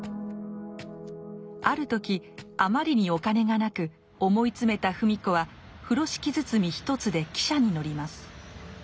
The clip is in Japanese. ある時あまりにお金がなく思い詰めた芙美子は風呂敷包み一つで汽車に乗ります。